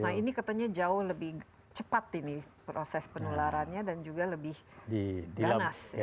nah ini katanya jauh lebih cepat ini proses penularannya dan juga lebih ganas